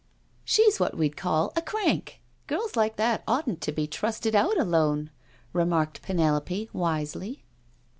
" She's what we'd call ' a crank.' Girls like that oughtn't to be trusted out alone," remarked Penelope wisely.